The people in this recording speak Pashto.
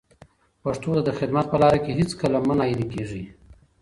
پښتو ته د خدمت په لاره کې هیڅکله مه ناهیلي کېږئ.